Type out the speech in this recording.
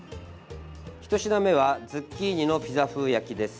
ひと品目はズッキーニのピザ風焼きです。